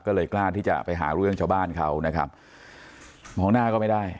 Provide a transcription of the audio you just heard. ก็เลยกล้าที่จะไปหาเรื่องชาวบ้านเขานะครับมองหน้าก็ไม่ได้